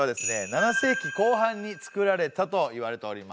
７世紀後半に造られたといわれております。